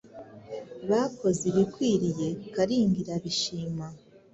Bakoze ibikwiriye Kalinga irabishima